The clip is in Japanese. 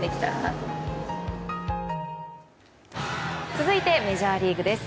続いてメジャーリーグです。